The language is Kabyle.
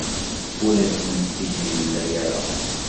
Ur asen-t-id-yemla ara.